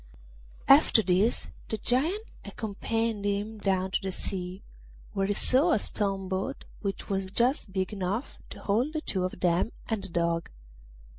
After this the Giant accompanied him down to the sea, where he saw a stone boat which was just big enough to hold the two of them and the Dog.